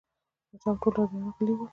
پاچا او ټول درباريان غلي ول.